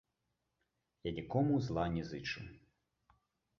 Я нікому зла не зычу.